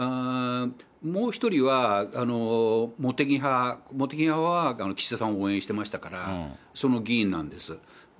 もう１人は茂木派、茂木派は岸田さんを応援していましたから、その議員なんです。